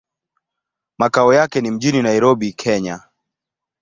Makao yake ni mjini Nairobi, Kenya.